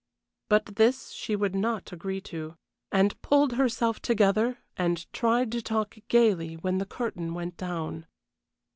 But this she would not agree to, and pulled herself together and tried to talk gayly when the curtain went down.